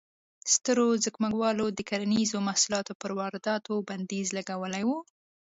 سترو ځمکوالو د کرنیزو محصولاتو پر وارداتو بندیز لګولی و.